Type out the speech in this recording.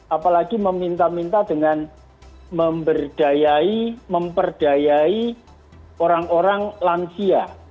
apalagi meminta minta dengan memperdayai orang orang lansia